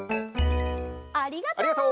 ありがとう！